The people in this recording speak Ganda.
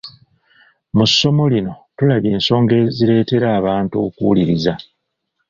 Mu ssomo lino tulabye ensonga ezireetera abantu okuwuliriza.